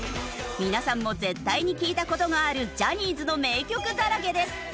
皆さんも絶対に聴いた事があるジャニーズの名曲だらけです。